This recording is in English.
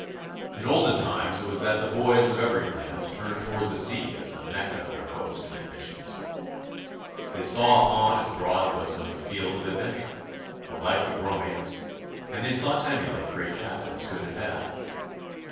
In olden times it was that the boys of every land turned toward the sea as the Mecca of their hopes and ambitions. They saw upon its broad bosom a field of adventure, a life of romance; and they sought to emulate great captains, good and bad.